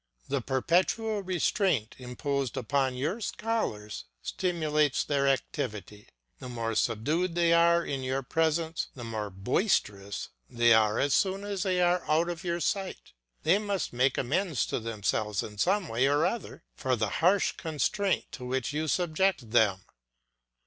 The perpetual restraint imposed upon your scholars stimulates their activity; the more subdued they are in your presence, the more boisterous they are as soon as they are out of your sight. They must make amends to themselves in some way or other for the harsh constraint to which you subject them.